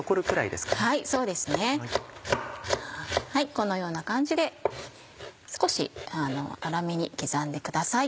このような感じで少し粗めに刻んでください。